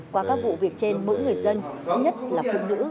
qua các vụ việc trên mỗi người dân nhất là phụ nữ